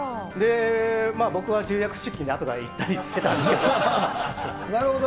僕は重役出勤であとから行ったりしてたんですけど。